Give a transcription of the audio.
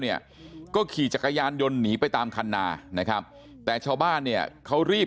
เนี่ยก็ขี่จักรยานยนต์หนีไปตามคันนานะครับแต่ชาวบ้านเนี่ยเขารีบ